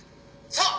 「さあ！